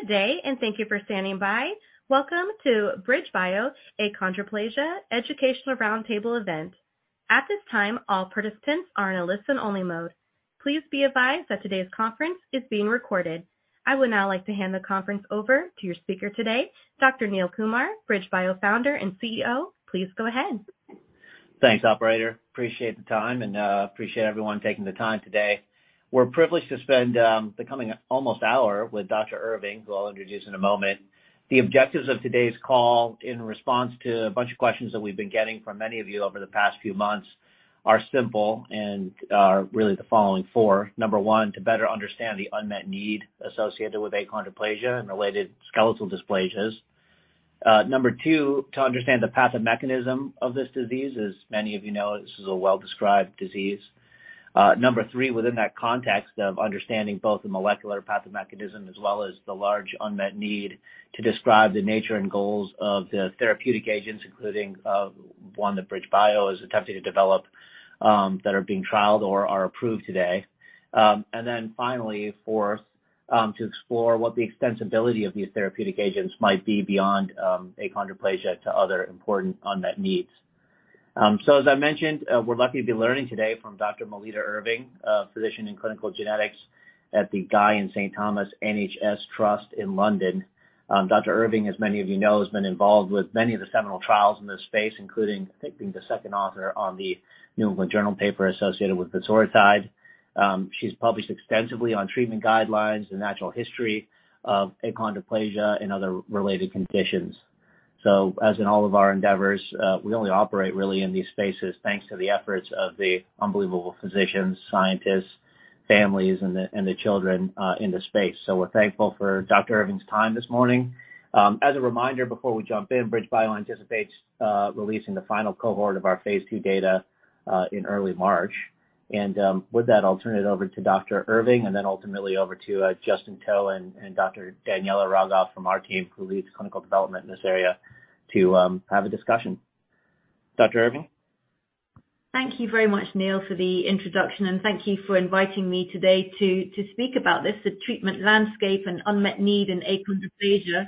Good day, and thank you for standing by. Welcome to BridgeBio, Achondroplasia Educational Roundtable Event. At this time, all participants are in a listen-only mode. Please be advised that today's conference is being recorded. I would now like to hand the conference over to your speaker today, Dr. Neil Kumar, BridgeBio Founder and CEO. Please go ahead. Thanks, operator. Appreciate the time and appreciate everyone taking the time today. We're privileged to spend the coming almost hour with Dr. Irving, who I'll introduce in a moment. The objectives of today's call, in response to a bunch of questions that we've been getting from many of you over the past few months, are simple and are really the following four. Number one, to better understand the unmet need associated with achondroplasia and related skeletal dysplasias. Number two, to understand the pathomechanism of this disease. As many of you know, this is a well-described disease. Number three, within that context of understanding both the molecular pathomechanism as well as the large unmet need to describe the nature and goals of the therapeutic agents, including one that BridgeBio is attempting to develop that are being trialed or are approved today. Finally, four, to explore what the extensibility of these therapeutic agents might be beyond achondroplasia to other important unmet needs. As I mentioned, we're lucky to be learning today from Dr. Melita Irving, a Physician in Clinical Genetics at the Guy's and St Thomas' NHS Foundation Trust in London. Dr. Irving, as many of you know, has been involved with many of the seminal trials in this space, including I think being the second author on The New England Journal of Medicine paper associated with risdiplam. She's published extensively on treatment guidelines, the natural history of achondroplasia and other related conditions. As in all of our endeavors, we only operate really in these spaces thanks to the efforts of the unbelievable physicians, scientists, families and the children in the space. We're thankful for Dr. Irving's time this morning. As a reminder, before we jump in, BridgeBio anticipates releasing the final cohort of our phase two data in early March. With that, I'll turn it over to Dr. Irving and then ultimately over to Justin To and Dr. Daniela Rogoff from our team, who leads clinical development in this area to have a discussion. Dr. Irving. Thank you very much, Neil, for the introduction, and thank you for inviting me today to speak about this, the treatment landscape and unmet need in achondroplasia.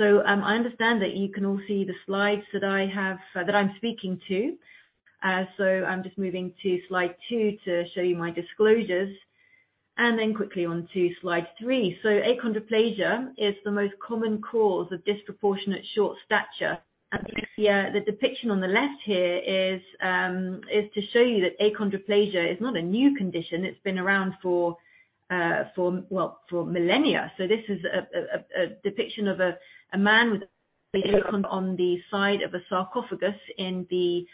I understand that you can all see the slides that I'm speaking to. I'm just moving to slide two to show you my disclosures, and then quickly on to slide three. Achondroplasia is the most common cause of disproportionate short stature. The depiction on the left here is to show you that achondroplasia is not a new condition. It's been around for millennia. This is a depiction of a man with achondroplasia on the side of a sarcophagus in the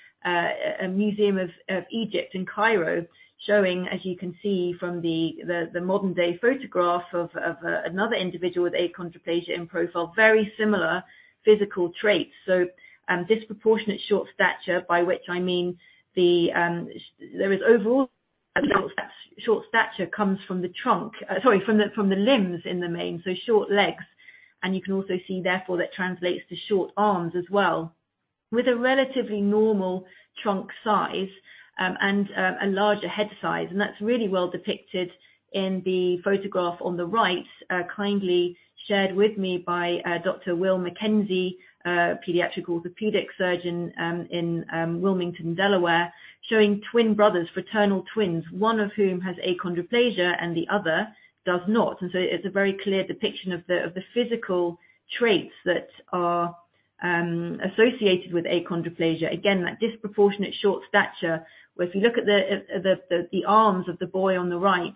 Museum of Egypt in Cairo, showing, as you can see from the modern-day photograph of another individual with achondroplasia in profile, very similar physical traits. Disproportionate short stature, by which I mean the there is overall short stature comes from the trunk. Sorry, from the limbs in the main. Short legs. You can also see, therefore, that translates to short arms as well, with a relatively normal trunk size, and a larger head size. That's really well depicted in the photograph on the right, kindly shared with me by Dr. Will Mackenzie, a pediatric orthopedic surgeon, in Wilmington, Delaware, showing twin brothers, fraternal twins. One of whom has achondroplasia and the other does not. It's a very clear depiction of the physical traits that are associated with achondroplasia. Again, that disproportionate short stature, where if you look at the arms of the boy on the right,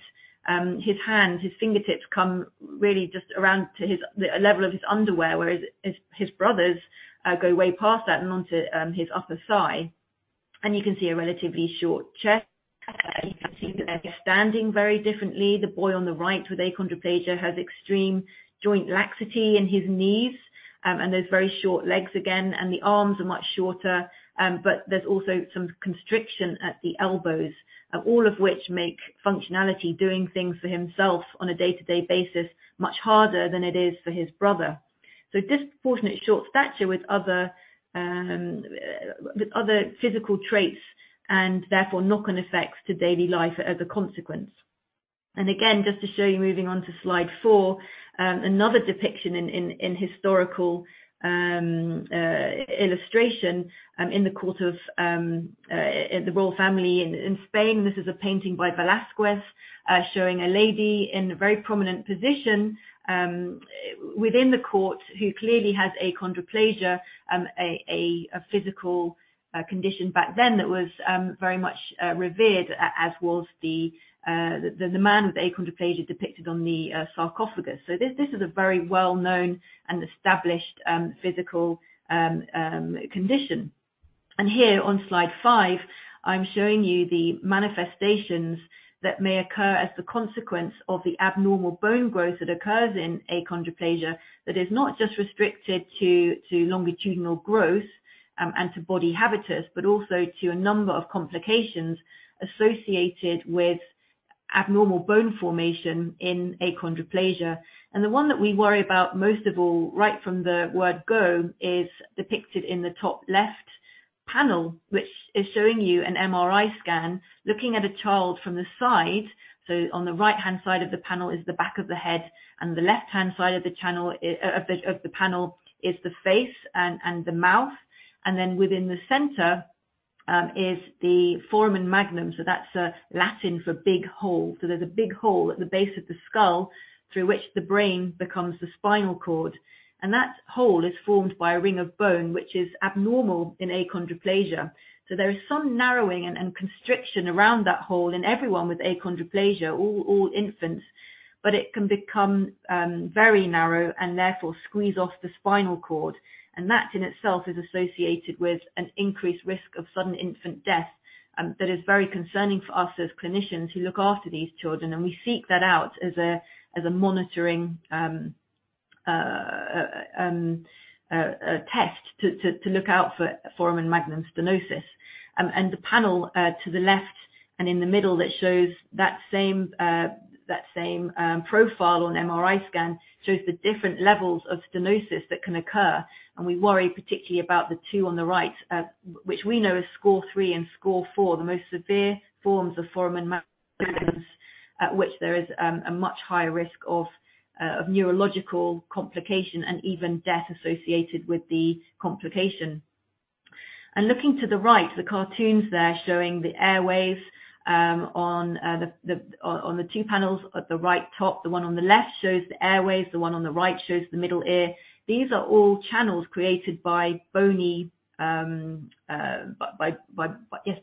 his hands, his fingertips come really just around to his, the level of his underwear, whereas his brother's go way past that and onto his upper thigh. You can see a relatively short chest. You can see that they're standing very differently. The boy on the right with achondroplasia has extreme joint laxity in his knees, and those very short legs again, and the arms are much shorter. There's also some constriction at the elbows, all of which make functionality, doing things for himself on a day-to-day basis, much harder than it is for his brother. Disproportionate short stature with other physical traits and therefore knock-on effects to daily life as a consequence. Again, just to show you, moving on to slide four, another depiction in historical illustration, in the court of the royal family in Spain. This is a painting by Velázquez, showing a lady in a very prominent position within the court who clearly has achondroplasia, a physical condition back then that was very much revered, as was the man with achondroplasia depicted on the sarcophagus. This is a very well-known and established physical condition. Here on slide five, I'm showing you the manifestations that may occur as the consequence of the abnormal bone growth that occurs in achondroplasia that is not just restricted to longitudinal growth and to body habitus, but also to a number of complications associated with abnormal bone formation in achondroplasia. The one that we worry about most of all, right from the word go, is depicted in the top left panel, which is showing you an MRI scan, looking at a child from the side. On the right-hand side of the panel is the back of the head, and the left-hand side of the channel of the panel is the face and the mouth. Within the center is the foramen magnum. That's Latin for big hole. There's a big hole at the base of the skull through which the brain becomes the spinal cord. That hole is formed by a ring of bone, which is abnormal in achondroplasia. There is some narrowing and constriction around that hole in everyone with achondroplasia, all infants, but it can become very narrow and therefore squeeze off the spinal cord. That in itself is associated with an increased risk of sudden infant death, that is very concerning for us as clinicians who look after these children. We seek that out as a monitoring test to look out for foramen magnum stenosis. The panel to the left and in the middle that shows that same that same profile on MRI scan, shows the different levels of stenosis that can occur. We worry particularly about the two on the right, which we know is score three and score four, the most severe forms of foramen magnum stenosis, at which there is a much higher risk of neurological complication and even death associated with the complication. Looking to the right, the cartoons there showing the airways on the on the two panels at the right top. The one on the left shows the airways, the one on the right shows the middle ear. These are all channels created by bony, yes,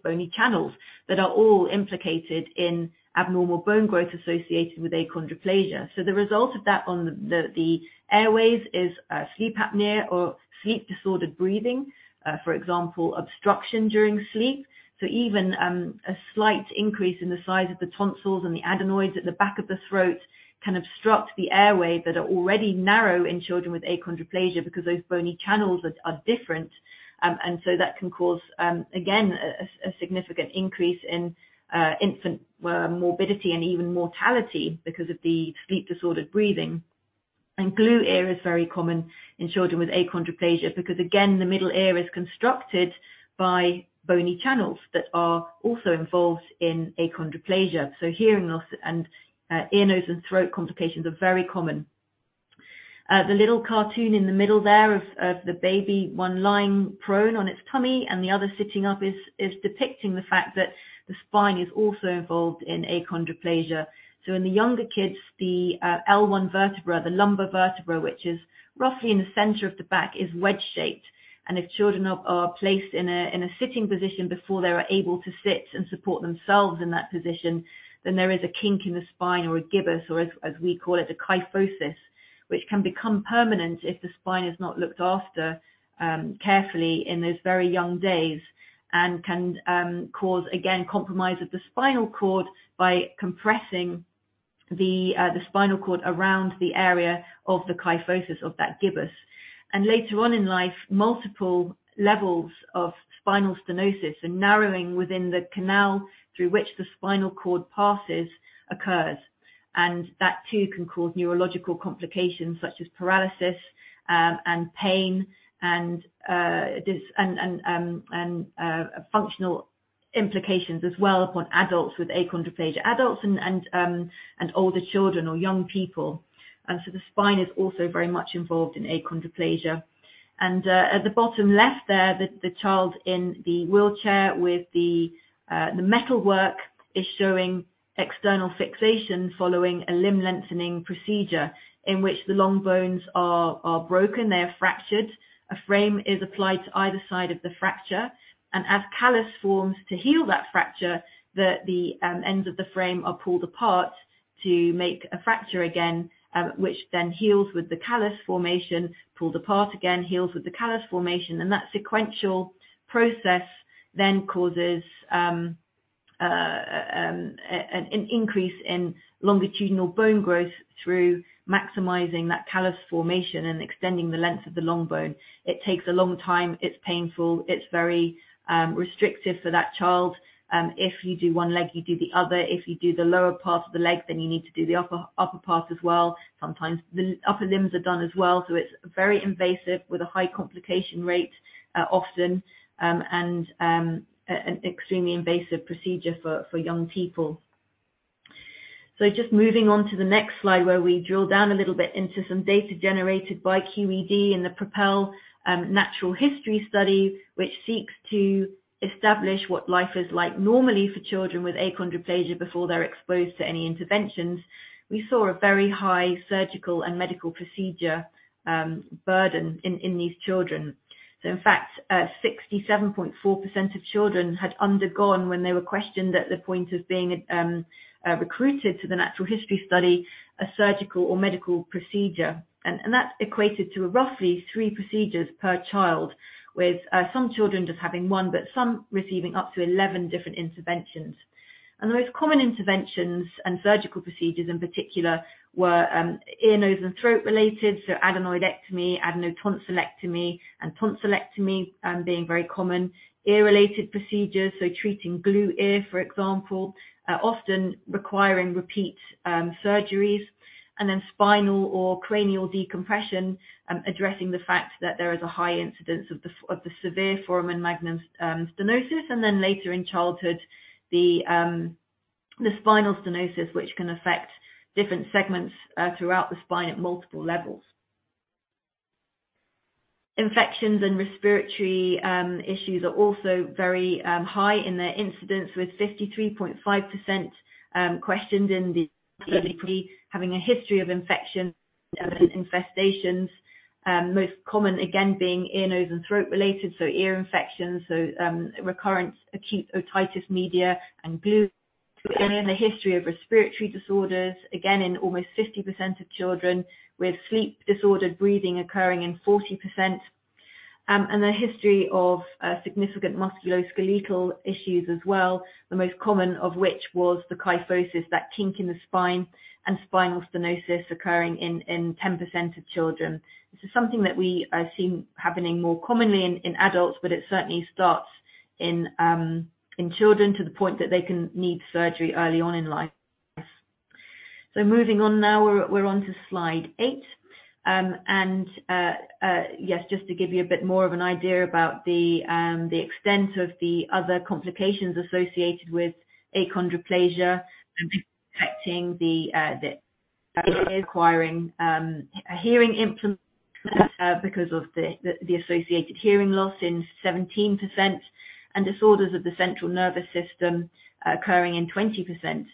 bony channels that are all implicated in abnormal bone growth associated with achondroplasia. The result of that on the airways is sleep apnea or sleep-disordered breathing, for example, obstruction during sleep. Even a slight increase in the size of the tonsils and the adenoids at the back of the throat can obstruct the airway that are already narrow in children with achondroplasia because those bony channels are different. That can cause again, a significant increase in infant morbidity and even mortality because of the sleep-disordered breathing. Glue ear is very common in children with achondroplasia because again, the middle ear is constructed by bony channels that are also involved in achondroplasia. Hearing loss and ear, nose, and throat complications are very common. The little cartoon in the middle there of the baby, one lying prone on its tummy and the other sitting up is depicting the fact that the spine is also involved in achondroplasia. In the younger kids, the L1 vertebra, the lumbar vertebra, which is roughly in the center of the back, is wedge-shaped. If children are placed in a sitting position before they are able to sit and support themselves in that position, then there is a kink in the spine or a gibbus, or as we call it, a kyphosis, which can become permanent if the spine is not looked after carefully in those very young days. Can cause, again, compromise of the spinal cord by compressing the spinal cord around the area of the kyphosis of that gibbus. Later on in life, multiple levels of spinal stenosis and narrowing within the canal through which the spinal cord passes occurs. That too can cause neurological complications such as paralysis, and pain and functional implications as well upon adults with achondroplasia. Adults and older children or young people. The spine is also very much involved in achondroplasia. At the bottom left there, the child in the wheelchair with the metalwork is showing external fixation following a limb lengthening procedure in which the long bones are broken, they are fractured. A frame is applied to either side of the fracture, and as callus forms to heal that fracture, the ends of the frame are pulled apart to make a fracture again, which then heals with the callus formation, pulled apart again, heals with the callus formation. That sequential process then causes an increase in longitudinal bone growth through maximizing that callus formation and extending the length of the long bone. It takes a long time. It's painful. It's very restrictive for that child. If you do one leg, you do the other. If you do the lower part of the leg, then you need to do the upper part as well. Sometimes the upper limbs are done as well. It's very invasive with a high complication rate, often, and an extremely invasive procedure for young people. Just moving on to the next slide, where we drill down a little bit into some data generated by QED in the PROPEL natural history study, which seeks to establish what life is like normally for children with achondroplasia before they're exposed to any interventions. We saw a very high surgical and medical procedure burden in these children. In fact, 67.4% of children had undergone, when they were questioned at the point of being recruited to the natural history study, a surgical or medical procedure. That equated to roughly three procedures per child, with some children just having one, but some receiving up to 11 different interventions. The most common interventions and surgical procedures in particular were ear, nose, and throat related, so adenoidectomy, adenotonsillectomy, and tonsillectomy, being very common. Ear-related procedures, so treating glue ear, for example, often requiring repeat surgeries. Spinal or cranial decompression, addressing the fact that there is a high incidence of the severe foramen magnum stenosis. Later in childhood, the spinal stenosis, which can affect different segments throughout the spine at multiple levels. Infections and respiratory issues are also very high in their incidence, with 53.5% questioned in the study having a history of infection, infestations. Most common again being ear, nose, and throat related, so ear infections. Recurrent acute otitis media and glue ear. A history of respiratory disorders, again in almost 50% of children, with sleep-disordered breathing occurring in 40%. A history of significant musculoskeletal issues as well. The most common of which was the kyphosis, that kink in the spine, and spinal stenosis occurring in 10% of children. This is something that we have seen happening more commonly in adults, but it certainly starts in children to the point that they can need surgery early on in life. Moving on now, we're onto slide eight. Just to give you a bit more of an idea about the extent of the other complications associated with achondroplasia affecting acquiring a hearing implant because of the associated hearing loss in 17% and disorders of the central nervous system occurring in 20%.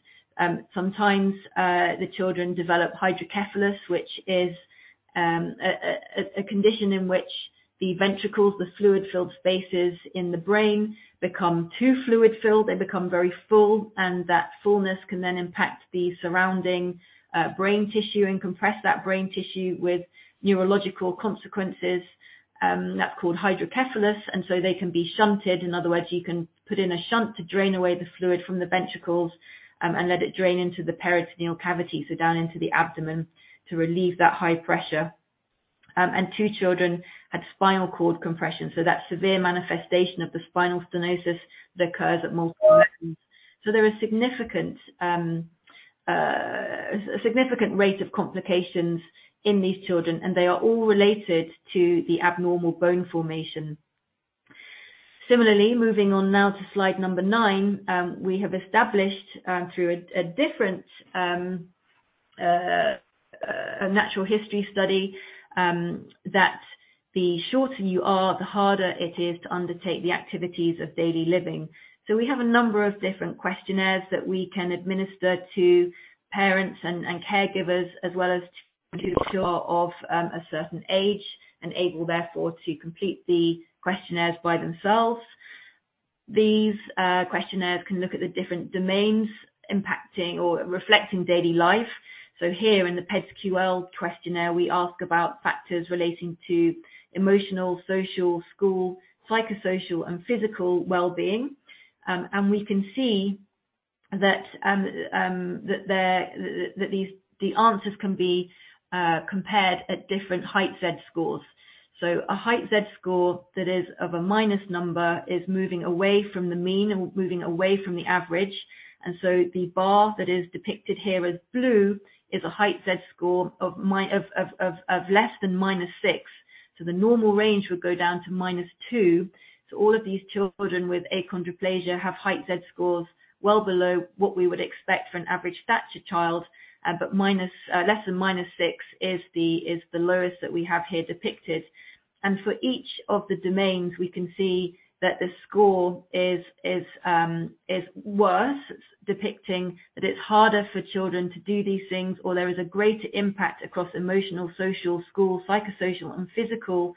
Sometimes the children develop hydrocephalus, which is a condition in which the ventricles, the fluid-filled spaces in the brain, become too fluid-filled. They become very full, and that fullness can then impact the surrounding brain tissue and compress that brain tissue with neurological consequences. That's called hydrocephalus, and so they can be shunted. In other words, you can put in a shunt to drain away the fluid from the ventricles, and let it drain into the peritoneal cavity, so down into the abdomen to relieve that high pressure. Two children had spinal cord compression, so that severe manifestation of the spinal stenosis that occurs at multiple levels. There is significant rate of complications in these children, and they are all related to the abnormal bone formation. Moving on now to slide number nine. We have established, through a different, natural history study, that the shorter you are, the harder it is to undertake the activities of daily living. We have a number of different questionnaires that we can administer to parents and caregivers, as well as children who are of a certain age and able therefore to complete the questionnaires by themselves. These questionnaires can look at the different domains impacting or reflecting daily life. Here in the PedsQL questionnaire, we ask about factors relating to emotional, social, school, psychosocial, and physical well-being. And we can see that these the answers can be compared at different height Z-scores. A height Z-score that is of a minus number is moving away from the mean and moving away from the average. The bar that is depicted here as blue is a height Z-score of less than -6. The normal range would go down to -2. All of these children with achondroplasia have height Z-scores well below what we would expect for an average stature child. But less than -6 is the lowest that we have here depicted. For each of the domains, we can see that the score is worse, depicting that it's harder for children to do these things, or there is a greater impact across emotional, social, school, psychosocial, and physical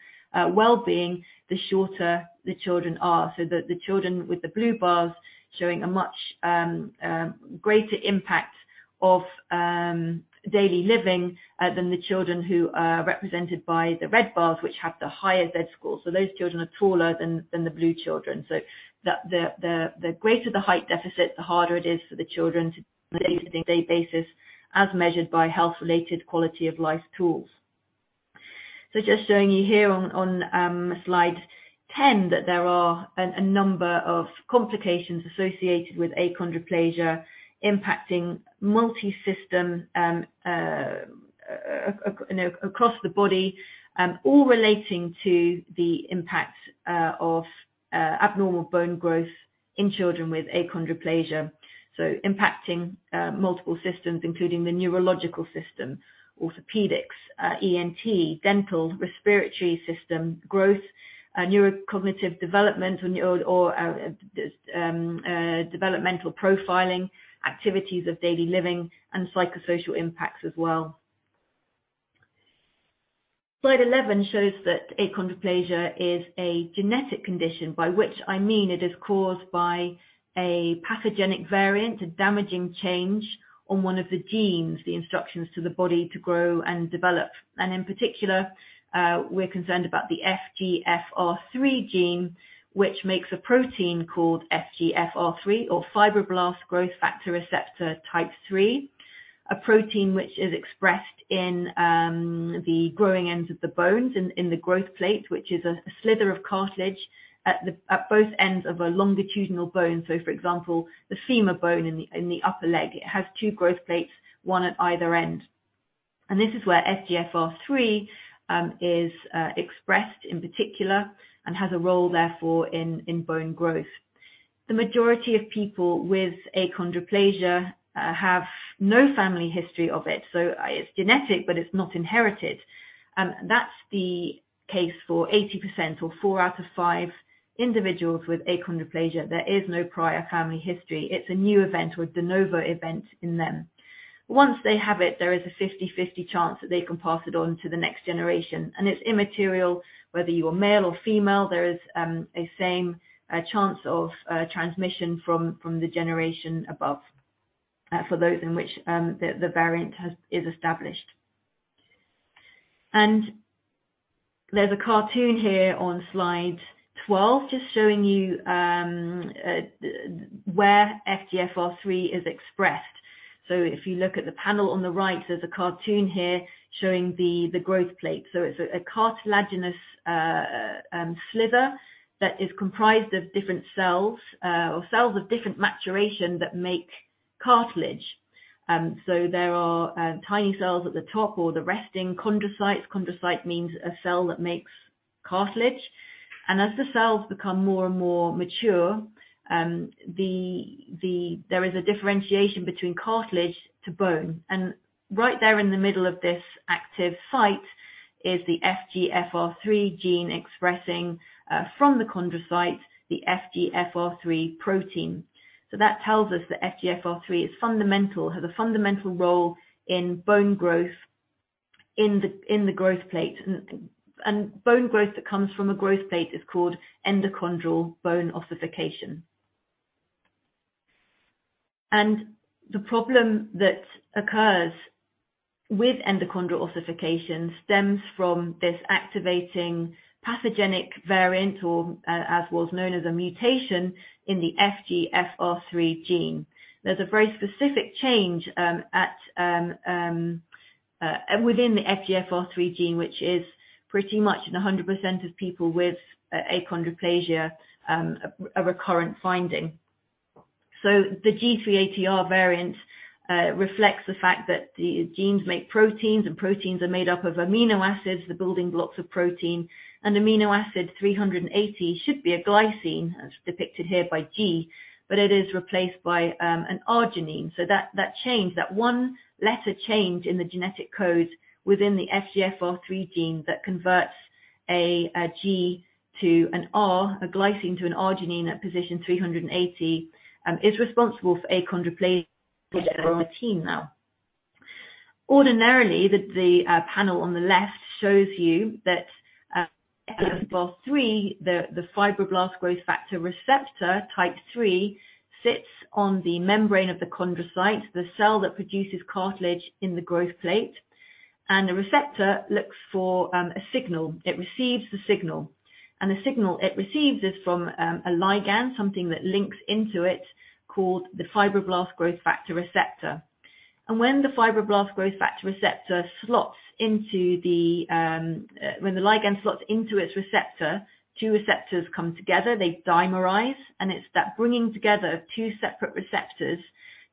well-being the shorter the children are. The children with the blue bars showing a much greater impact of daily living than the children who are represented by the red bars, which have the higher Z-scores. Those children are taller than the blue children. The greater the height deficit, the harder it is for the children to do these things day-to-day basis, as measured by health-related quality of life tools. Just showing you here on slide 10 that there are a number of complications associated with achondroplasia impacting multisystem, you know, across the body, all relating to the impact of abnormal bone growth in children with achondroplasia. Impacting multiple systems, including the neurological system, orthopedics, ENT, dental, respiratory system, growth, neurocognitive development or developmental profiling, activities of daily living, and psychosocial impacts as well. Slide 11 shows that achondroplasia is a genetic condition, by which I mean it is caused by a pathogenic variant, a damaging change on one of the genes, the instructions to the body to grow and develop. In particular, we're concerned about the FGFR3 gene, which makes a protein called FGFR3 or fibroblast growth factor receptor type III. A protein which is expressed in the growing ends of the bones in the growth plate, which is a slither of cartilage at both ends of a longitudinal bone. For example, the femur bone in the upper leg, it has two growth plates, one at either end. This is where FGFR3 is expressed in particular and has a role, therefore, in bone growth. The majority of people with achondroplasia have no family history of it, so it's genetic, but it's not inherited. That's the case for 80% or four out of five individuals with achondroplasia. There is no prior family history. It's a new event or de novo event in them. Once they have it, there is a 50/50 chance that they can pass it on to the next generation, and it's immaterial whether you're male or female. There is a same chance of transmission from the generation above for those in which the variant is established. There's a cartoon here on slide 12 just showing you where FGFR3 is expressed. If you look at the panel on the right, there's a cartoon here showing the growth plate. It's a cartilaginous sliver that is comprised of different cells or cells of different maturation that make cartilage. There are tiny cells at the top or the resting chondrocytes. Chondrocyte means a cell that makes cartilage. As the cells become more and more mature, there is a differentiation between cartilage to bone. Right there in the middle of this active site is the FGFR3 gene expressing from the chondrocyte, the FGFR3 protein. That tells us that FGFR3 is fundamental, has a fundamental role in bone growth in the growth plate. Bone growth that comes from a growth plate is called endochondral bone ossification. The problem that occurs with endochondral ossification stems from this activating pathogenic variant or as was known as a mutation in the FGFR3 gene. There's a very specific change within the FGFR3 gene, which is pretty much in 100% of people with achondroplasia, a recurrent finding. The G380R variant reflects the fact that the genes make proteins, and proteins are made up of amino acids, the building blocks of protein. An amino acid 380 should be a glycine, as depicted here by G, but it is replaced by an arginine. That, that change, that one letter change in the genetic code within the FGFR3 gene that converts a G to an R, a glycine to an arginine at position 380 is responsible for achondroplasia. Ordinarily, the panel on the left shows you that FGFR3, the fibroblast growth factor receptor type three, sits on the membrane of the chondrocyte, the cell that produces cartilage in the growth plate. The receptor looks for a signal. It receives the signal. The signal it receives is from a ligand, something that links into it called the fibroblast growth factor receptor. When the fibroblast growth factor receptor slots into the, when the ligand slots into its receptor, two receptors come together, they dimerize, and it's that bringing together of two separate receptors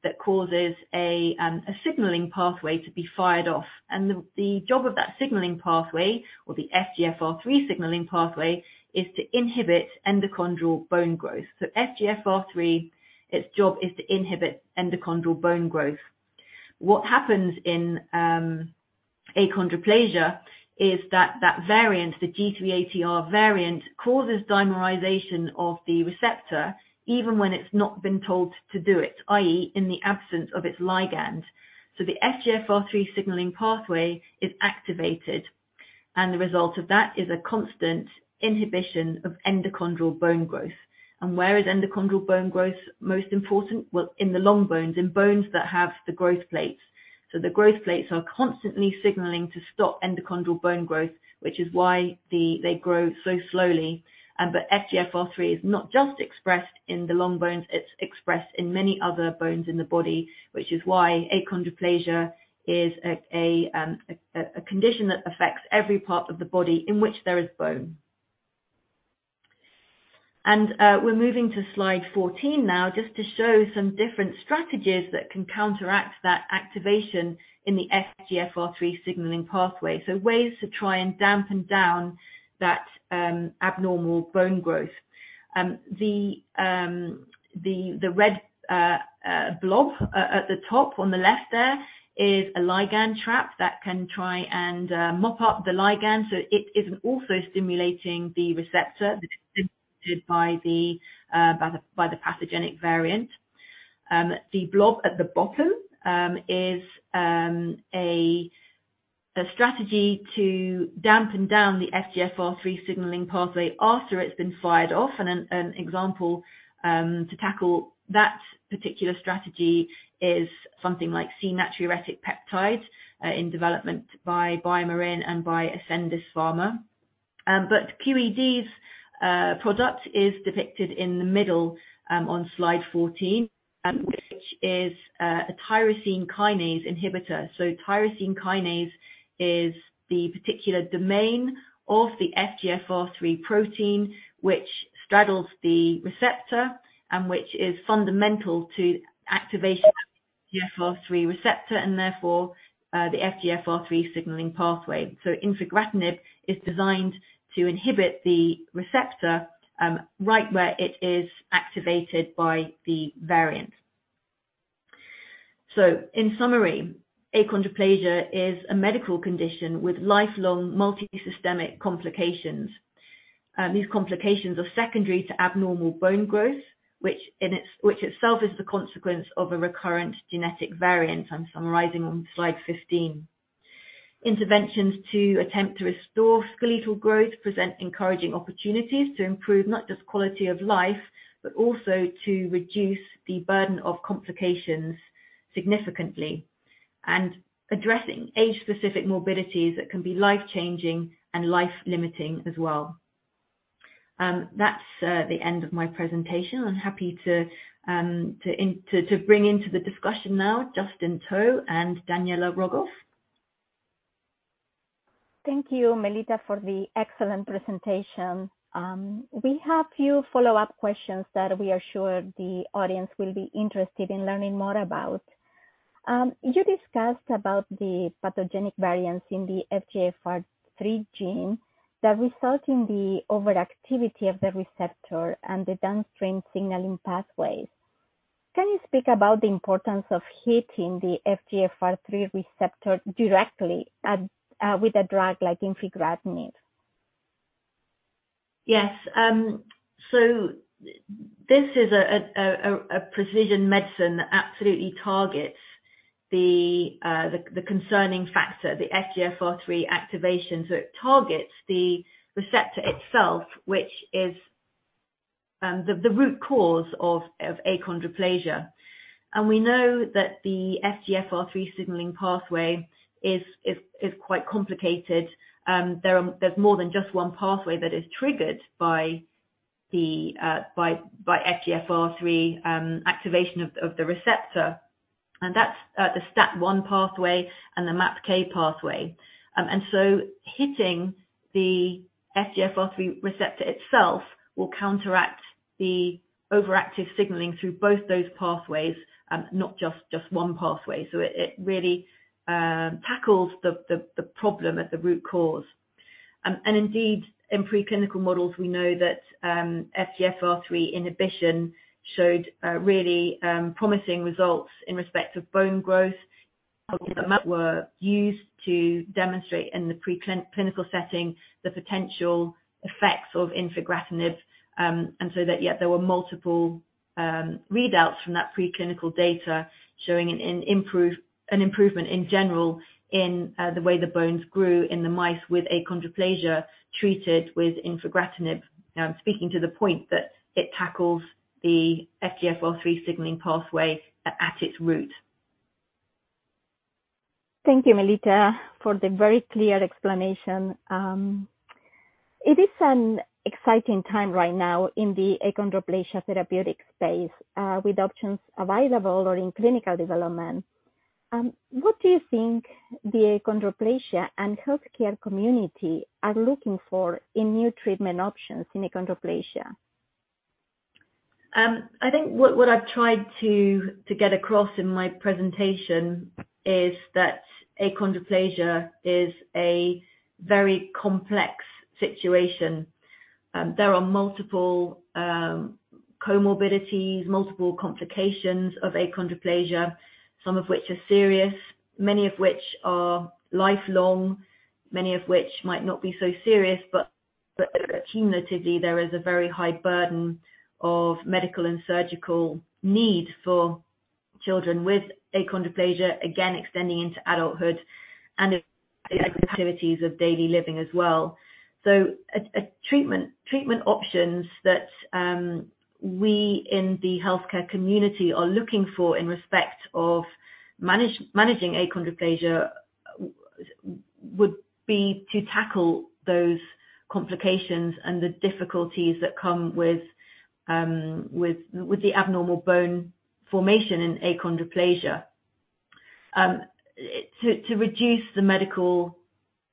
that causes a signaling pathway to be fired off. The job of that signaling pathway or the FGFR3 signaling pathway is to inhibit endochondral bone growth. FGFR3, its job is to inhibit endochondral bone growth. What happens in achondroplasia is that that variant, the G380R variant, causes dimerization of the receptor even when it's not been told to do it, i.e., in the absence of its ligand. The FGFR3 signaling pathway is activated, and the result of that is a constant inhibition of endochondral bone growth. Where is endochondral bone growth most important? Well, in the long bones, in bones that have the growth plates. The growth plates are constantly signaling to stop endochondral bone growth, which is why they grow so slowly. FGFR3 is not just expressed in the long bones. It's expressed in many other bones in the body, which is why achondroplasia is a condition that affects every part of the body in which there is bone. We're moving to slide 14 now just to show some different strategies that can counteract that activation in the FGFR3 signaling pathway, so ways to try and dampen down that abnormal bone growth. The red blob at the top on the left there is a ligand trap that can try and mop up the ligand. It is also stimulating the receptor that's stimulated by the pathogenic variant. The blob at the bottom is a strategy to dampen down the FGFR3 signaling pathway after it's been fired off. An example to tackle that particular strategy is something like C-natriuretic peptide in development by BioMarin and by Ascendis Pharma. QED's product is depicted in the middle on slide 14, which is a tyrosine kinase inhibitor. Tyrosine kinase is the particular domain of the FGFR3 protein which straddles the receptor and which is fundamental to activation of FGFR3 receptor and therefore the FGFR3 signaling pathway. Infigratinib is designed to inhibit the receptor, right where it is activated by the variant. In summary, achondroplasia is a medical condition with lifelong multisystemic complications. These complications are secondary to abnormal bone growth, which itself is the consequence of a recurrent genetic variant. I'm summarizing on slide 15. Interventions to attempt to restore skeletal growth present encouraging opportunities to improve not just quality of life, but also to reduce the burden of complications significantly. Addressing age-specific morbidities that can be life-changing and life-limiting as well. That's the end of my presentation. I'm happy to bring into the discussion now Justin To and Daniela Rogoff. Thank you, Melita, for the excellent presentation. We have a few follow-up questions that we are sure the audience will be interested in learning more about. You discussed about the pathogenic variants in the FGFR3 gene that result in the overactivity of the receptor and the downstream signaling pathways. Can you speak about the importance of hitting the FGFR3 receptor directly with a drug like infigratinib? Yes. This is a precision medicine that absolutely targets the concerning factor, the FGFR3 activation. It targets the receptor itself, which is the root cause of achondroplasia. We know that the FGFR3 signaling pathway is quite complicated. There are, there's more than just one pathway that is triggered by FGFR3 activation of the receptor, and that's the STAT1 pathway and the MAPK pathway. Hitting the FGFR3 receptor itself will counteract the overactive signaling through both those pathways, not just one pathway. It really tackles the problem at the root cause. Indeed, in preclinical models, we know that FGFR3 inhibition showed really promising results in respect of bone growth were used to demonstrate in the clinical setting the potential effects of infigratinib. That yet there were multiple readouts from that preclinical data showing an improvement in general in the way the bones grew in the mice with achondroplasia treated with infigratinib. Now, I'm speaking to the point that it tackles the FGFR3 signaling pathway at its root. Thank you, Melita, for the very clear explanation. It is an exciting time right now in the achondroplasia therapeutic space, with options available or in clinical development. What do you think the achondroplasia and healthcare community are looking for in new treatment options in achondroplasia? I think what I've tried to get across in my presentation is that achondroplasia is a very complex situation. There are multiple comorbidities, multiple complications of achondroplasia, some of which are serious, many of which are lifelong, many of which might not be so serious, but cumulatively, there is a very high burden of medical and surgical need for children with achondroplasia, again, extending into adulthood and activities of daily living as well. A treatment options that we in the healthcare community are looking for in respect of managing achondroplasia would be to tackle those complications and the difficulties that come with the abnormal bone formation in achondroplasia. To reduce the medical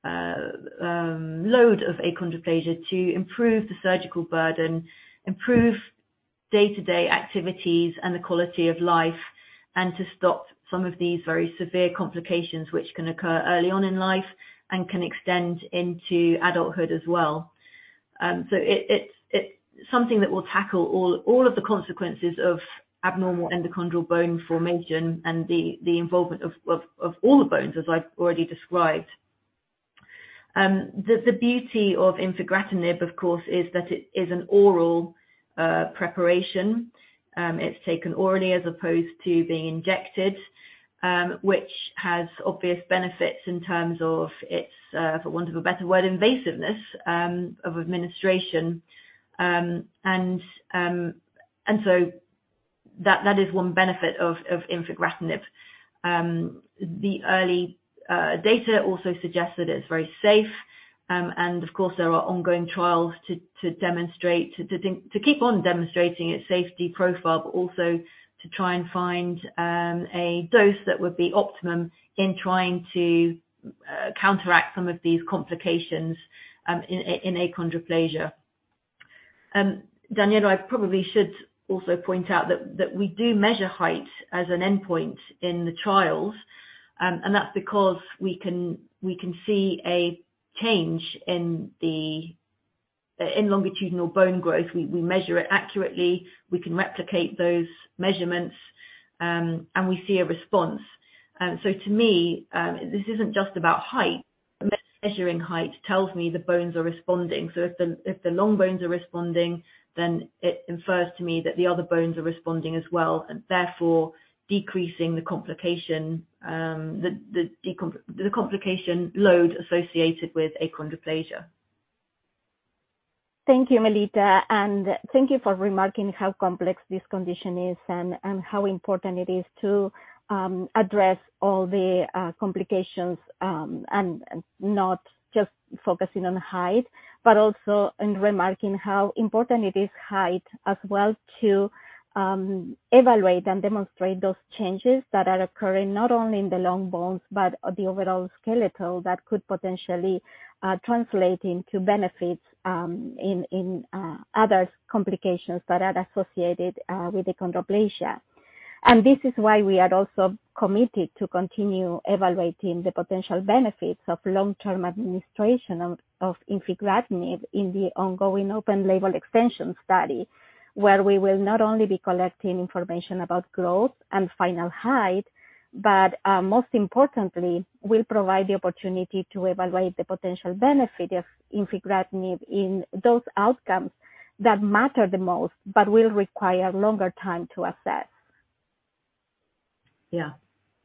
load of achondroplasia, to improve the surgical burden, improve day-to-day activities and the quality of life, and to stop some of these very severe complications which can occur early on in life and can extend into adulthood as well. It's something that will tackle all of the consequences of abnormal endochondral bone formation and the involvement of all the bones, as I've already described. The beauty of infigratinib, of course, is that it is an oral preparation. It's taken orally as opposed to being injected, which has obvious benefits in terms of its for want of a better word, invasiveness of administration. That is one benefit of infigratinib. The early data also suggests that it's very safe. Of course, there are ongoing trials to demonstrate to keep on demonstrating its safety profile, but also to try and find a dose that would be optimum in trying to counteract some of these complications in achondroplasia. Daniela, I probably should also point out that we do measure height as an endpoint in the trials, and that's because we can see a change in the longitudinal bone growth. We measure it accurately, we can replicate those measurements, and we see a response. To me, this isn't just about height, but measuring height tells me the bones are responding. If the long bones are responding, then it infers to me that the other bones are responding as well, and therefore decreasing the complication, the complication load associated with achondroplasia. Thank you, Melita, and thank you for remarking how complex this condition is and how important it is to address all the complications and not just focusing on height, but also in remarking how important it is height as well to evaluate and demonstrate those changes that are occurring not only in the long bones, but the overall skeletal that could potentially translate into benefits in other complications that are associated with achondroplasia. This is why we are also committed to continue evaluating the potential benefits of long-term administration of infigratinib in the ongoing open-label expansion study. We will not only be collecting information about growth and final height, but, most importantly, we'll provide the opportunity to evaluate the potential benefit of infigratinib in those outcomes that matter the most, but will require longer time to assess. Yeah.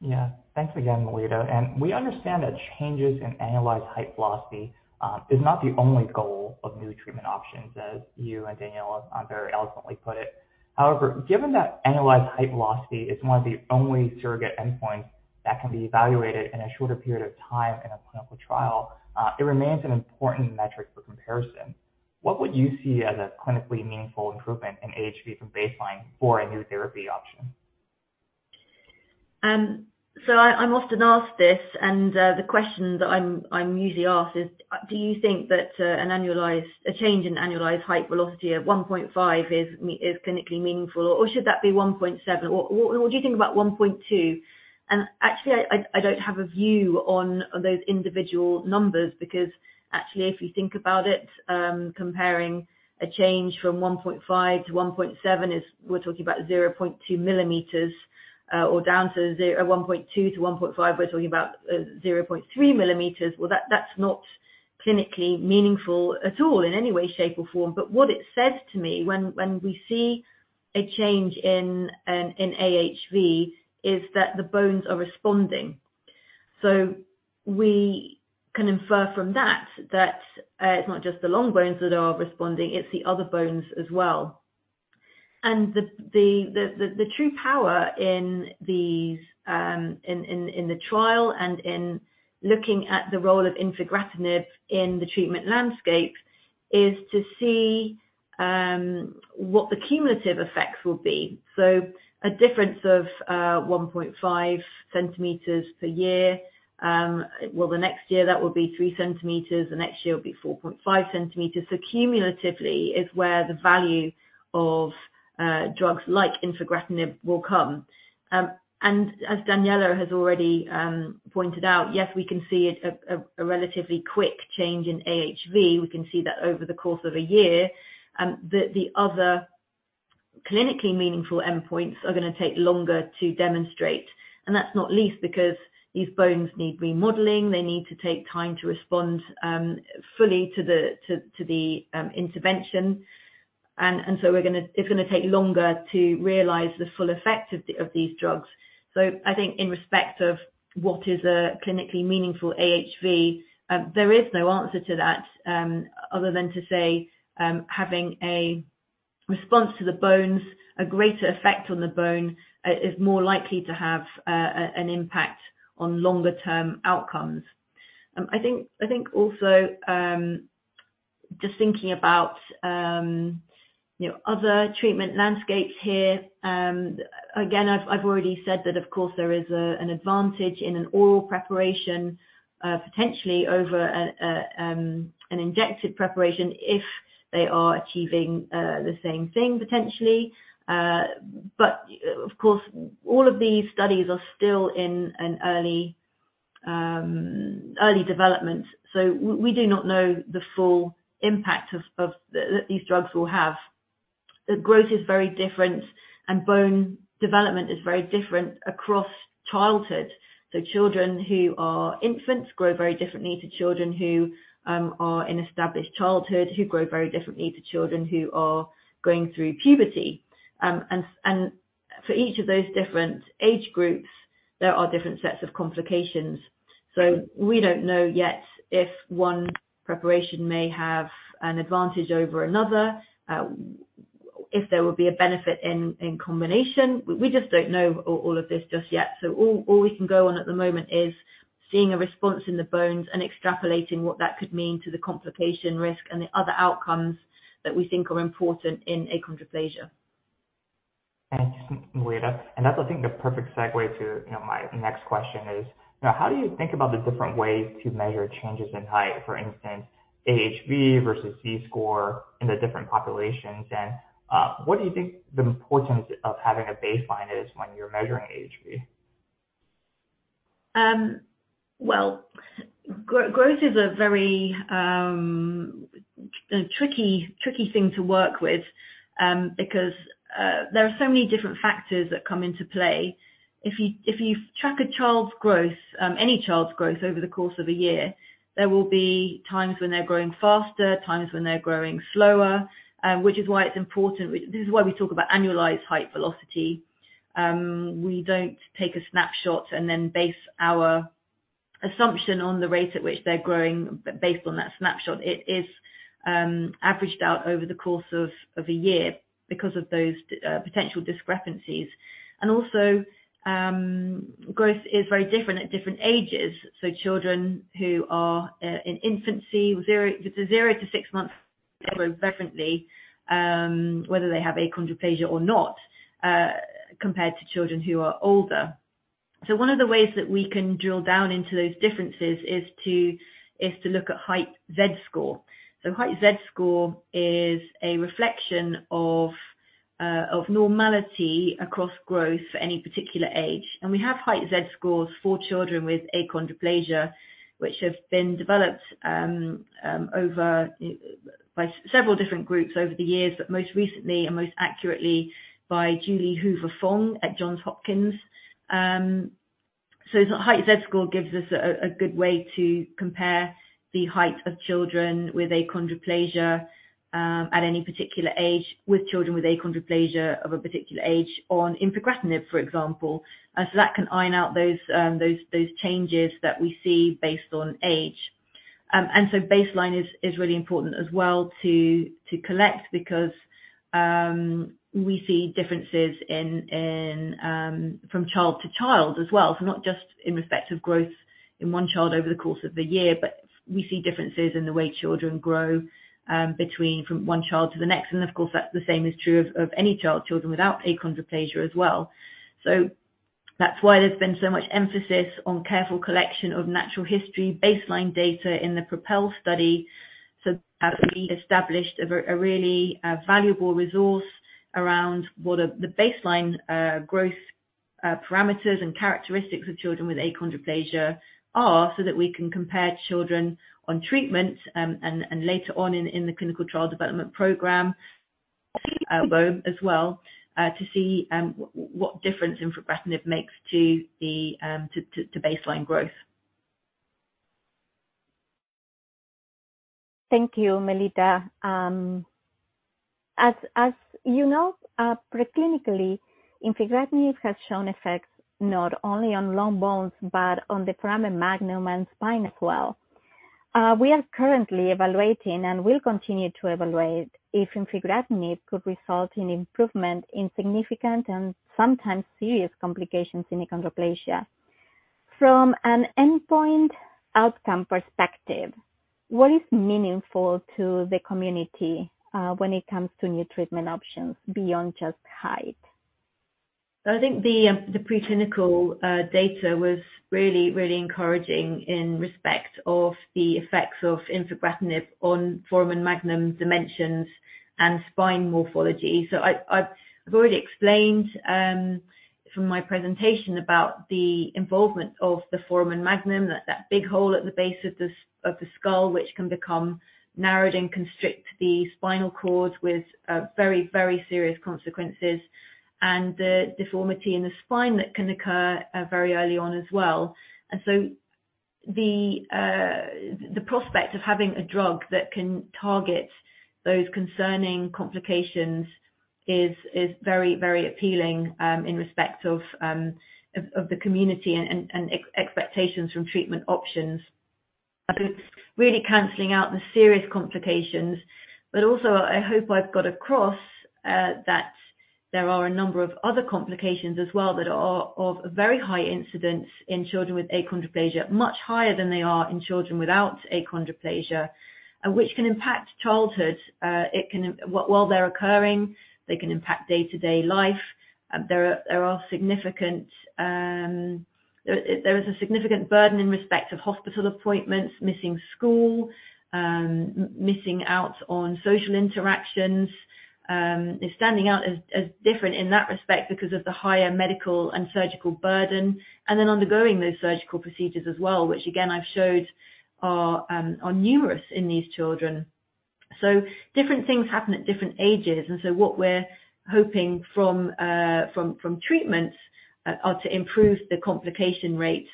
Yeah. Thanks again, Melita. We understand that changes in annualized height velocity is not the only goal of new treatment options, as you and Daniela very eloquently put it. However, given that annualized height velocity is one of the only surrogate endpoints that can be evaluated in a shorter period of time in a clinical trial, it remains an important metric for comparison. What would you see as a clinically meaningful improvement in AHV from baseline for a new therapy option? I'm often asked this, the question that I'm usually asked is, "Do you think that a change in annualized height velocity of 1.5 is clinically meaningful, or should that be 1.7? What do you think about 1.2?" Actually, I don't have a view on those individual numbers because actually, if you think about it, comparing a change from 1.5-1.7 is we're talking about 0.2 ml, or down to 1.2-1.5, we're talking about 0.3 ml. Well, that's not clinically meaningful at all in any way, shape, or form. What it says to me when we see a change in AHV, is that the bones are responding. We can infer from that it's not just the long bones that are responding, it's the other bones as well. The true power in these in the trial and in looking at the role of infigratinib in the treatment landscape is to see what the cumulative effects will be. A difference of 1.5 cm per year, well, the next year that will be 3 cm. The next year will be 4.5 cm. Cumulatively is where the value of drugs like infigratinib will come. As Daniela has already pointed out, yes, we can see a relatively quick change in AHV. We can see that over the course of a year, the other clinically meaningful endpoints are gonna take longer to demonstrate. That's not least because these bones need remodeling. They need to take time to respond fully to the intervention. It's gonna take longer to realize the full effect of the, of these drugs. I think in respect of what is a clinically meaningful AHV, there is no answer to that, other than to say, having a response to the bones, a greater effect on the bone, is more likely to have an impact on longer term outcomes. I think also, just thinking about, you know, other treatment landscapes here, again, I've already said that of course there is an advantage in an oral preparation, potentially over an injected preparation if they are achieving the same thing potentially. Of course, all of these studies are still in an early development, so we do not know the full impact these drugs will have. The growth is very different and bone development is very different across childhood. Children who are infants grow very differently to children who are in established childhood, who grow very differently to children who are going through puberty. For each of those different age groups, there are different sets of complications. We don't know yet if one preparation may have an advantage over another. If there will be a benefit in combination. We just don't know all of this just yet. All we can go on at the moment is seeing a response in the bones and extrapolating what that could mean to the complication risk and the other outcomes that we think are important in achondroplasia. Thanks, Melita. That's, I think, the perfect segue to, you know, my next question is, you know, how do you think about the different ways to measure changes in height? For instance, AHV versus Z-score in the different populations. What do you think the importance of having a baseline is when you're measuring AHV? Well, growth is a very tricky thing to work with because there are so many different factors that come into play. If you track a child's growth, any child's growth over the course of a year, there will be times when they're growing faster, times when they're growing slower, which is why it's important. This is why we talk about annualized height velocity. We don't take a snapshot and then base our assumption on the rate at which they're growing based on that snapshot. It is averaged out over the course of a year because of those potential discrepancies. Also, growth is very different at different ages. Children who are in infancy, 0-6 months, grow differently, whether they have achondroplasia or not, compared to children who are older. One of the ways that we can drill down into those differences is to look at height Z-score. Height Z-score is a reflection of normality across growth for any particular age. We have height Z-scores for children with achondroplasia, which have been developed over by several different groups over the years, but most recently and most accurately by Julie Hoover-Fong at Johns Hopkins. The height Z-score gives us a good way to compare the height of children with achondroplasia, at any particular age, with children with achondroplasia of a particular age on infigratinib, for example. That can iron out those changes that we see based on age. Baseline is really important as well to collect because we see differences in from child to child as well. Not just in respect of growth in one child over the course of a year, but we see differences in the way children grow between from one child to the next. Of course, that's the same is true of any child, children without achondroplasia as well. That's why there's been so much emphasis on careful collection of natural history baseline data in the PROPEL study so that we established a really valuable resource around what the baseline growth parameters and characteristics of children with achondroplasia are, so that we can compare children on treatment and later on in the clinical trial development program at home as well to see what difference infigratinib makes to the baseline growth. Thank you, Melita. As you know, preclinically, infigratinib has shown effects not only on long bones, but on the foramen magnum and spine as well. We are currently evaluating and will continue to evaluate if infigratinib could result in improvement in significant and sometimes serious complications in achondroplasia. From an endpoint outcome perspective, what is meaningful to the community, when it comes to new treatment options beyond just height? I think the preclinical data was really, really encouraging in respect of the effects of infigratinib on foramen magnum dimensions and spine morphology. I've already explained from my presentation about the involvement of the foramen magnum, that big hole at the base of the skull, which can become narrowed and constrict the spinal cord with very, very serious consequences and the deformity in the spine that can occur very early on as well. The prospect of having a drug that can target those concerning complications is very, very appealing in respect of the community and expectations from treatment options. It's really canceling out the serious complications. I hope I've got across that there are a number of other complications as well that are of very high incidence in children with achondroplasia, much higher than they are in children without achondroplasia, which can impact childhood. While they're occurring, they can impact day-to-day life. There are significant, there is a significant burden in respect of hospital appointments, missing school, missing out on social interactions, standing out as different in that respect because of the higher medical and surgical burden, and then undergoing those surgical procedures as well, which again, I've showed are numerous in these children. Different things happen at different ages. What we're hoping from treatments are to improve the complication rate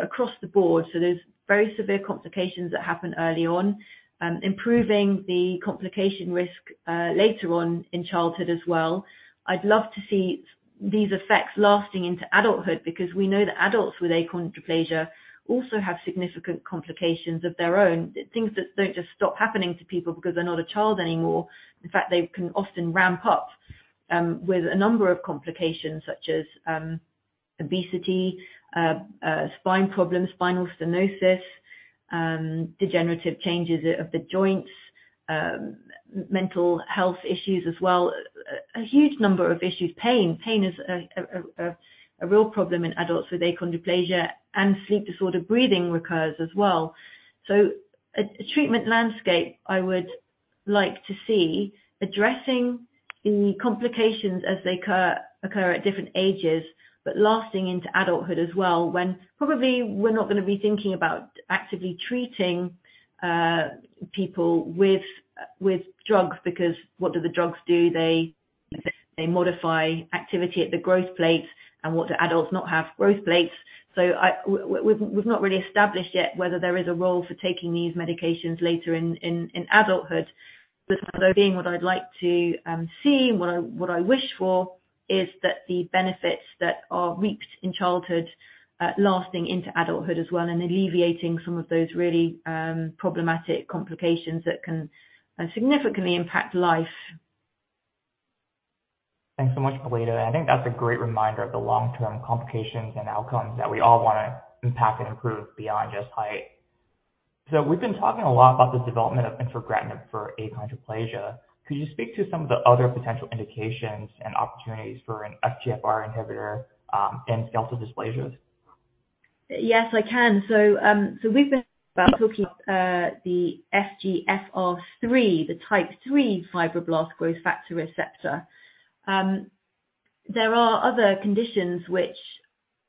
across the board. There's very severe complications that happen early on, improving the complication risk later on in childhood as well. I'd love to see these effects lasting into adulthood because we know that adults with achondroplasia also have significant complications of their own. Things that don't just stop happening to people because they're not a child anymore. In fact, they can often ramp up with a number of complications such as obesity, spine problems, spinal stenosis, degenerative changes of the joints, mental health issues as well. A huge number of issues. Pain. Pain is a real problem in adults with achondroplasia and sleep-disordered breathing recurs as well. A treatment landscape I would like to see addressing the complications as they occur at different ages, but lasting into adulthood as well, when probably we're not gonna be thinking about actively treating people with drugs because what do the drugs do? They modify activity at the growth plates. What do adults not have? Growth plates. We've not really established yet whether there is a role for taking these medications later in adulthood. That being what I'd like to see and what I wish for, is that the benefits that are reaped in childhood, lasting into adulthood as well and alleviating some of those really problematic complications that can significantly impact life. Thanks so much, Melita. I think that's a great reminder of the long-term complications and outcomes that we all wanna impact and improve beyond just height. We've been talking a lot about the development of infigratinib for achondroplasia. Could you speak to some of the other potential indications and opportunities for an FGFR inhibitor in skeletal dysplasias? Yes, I can. We've been talking, the FGFR3, the type 3 fibroblast growth factor receptor. There are other conditions which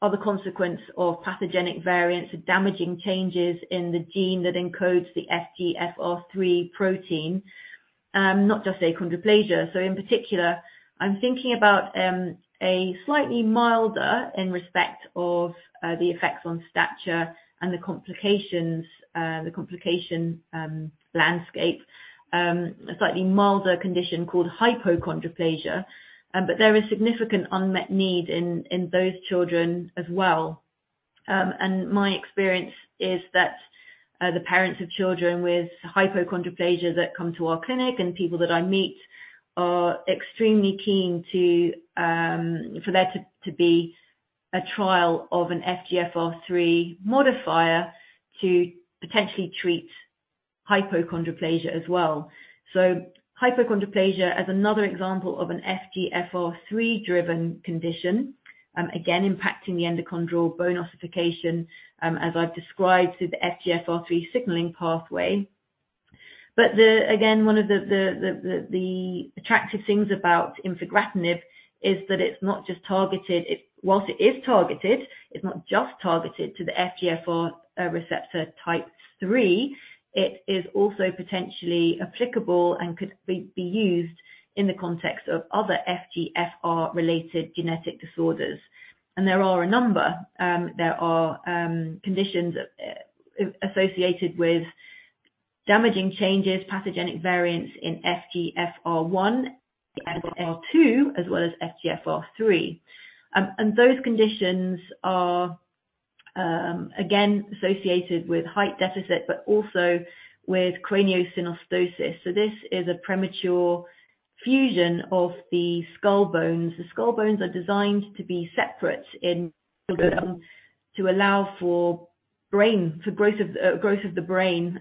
are the consequence of pathogenic variants, the damaging changes in the gene that encodes the FGFR3 protein, not just achondroplasia. In particular, I'm thinking about a slightly milder, in respect of the effects on stature and the complications, the complication landscape, a slightly milder condition called hypochondroplasia. There is significant unmet need in those children as well. My experience is that the parents of children with hypochondroplasia that come to our clinic and people that I meet are extremely keen to for there to be a trial of an FGFR3 modifier to potentially treat hypochondroplasia as well. Hypochondroplasia, as another example of an FGFR3-driven condition, again impacting the endochondral bone ossification, as I've described through the FGFR3 signaling pathway. The, again, one of the attractive things about infigratinib is that it's not just targeted. Whilst it is targeted, it's not just targeted to the FGFR receptor type 3. It is also potentially applicable and could be used in the context of other FGFR-related genetic disorders. There are a number. There are conditions associated with damaging changes, pathogenic variants in FGFR1, FGFR2, as well as FGFR3. Those conditions are again, associated with height deficit, but also with craniosynostosis. This is a premature fusion of the skull bones. The skull bones are designed to be separate in children to allow for growth of the brain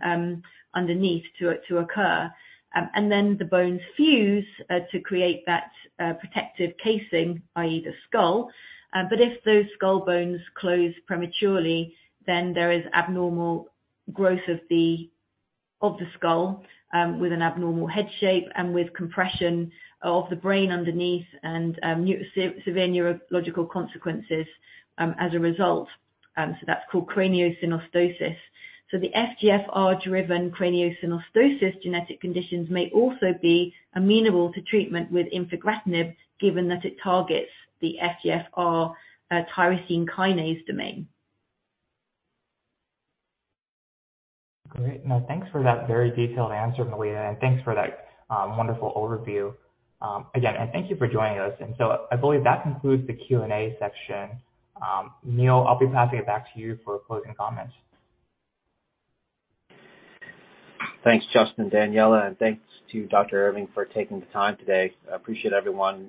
underneath to occur. The bones fuse to create that protective casing, i.e. the skull. If those skull bones close prematurely, then there is abnormal growth of the skull with an abnormal head shape and with compression of the brain underneath and severe neurological consequences as a result. That's called craniosynostosis. The FGFR-driven craniosynostosis genetic conditions may also be amenable to treatment with infigratinib, given that it targets the FGFR tyrosine kinase domain. Great. No, thanks for that very detailed answer, Melita, thanks for that, wonderful overview. Again, thank you for joining us. I believe that concludes the Q&A section. Neil, I'll be passing it back to you for closing comments. Thanks, Justin, Daniela, and thanks to Dr. Irving for taking the time today. I appreciate everyone's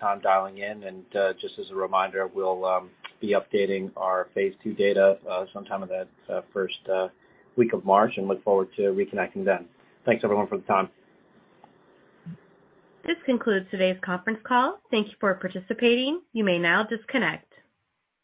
time dialing in. Just as a reminder, we'll be updating our Phase 2 data sometime in the first week of March and look forward to reconnecting then. Thanks everyone for the time. This concludes today's conference call. Thank you for participating. You may now disconnect.